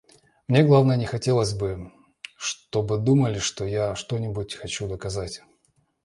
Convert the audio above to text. Мне, главное, не хотелось бы, чтобы думали, что я что-нибудь хочу доказать.